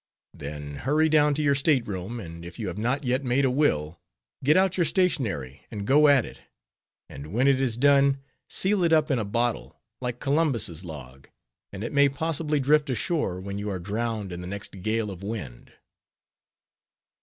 _ then hurry down to your state room, and if you have not yet made a will, get out your stationery and go at it; and when it is done, seal it up in a bottle, like Columbus' log, and it may possibly drift ashore, when you are drowned in the next gale of wind.